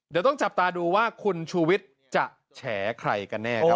เดี๋ยวต้องจับตาดูว่าคุณชูวิทย์จะแฉใครกันแน่ครับ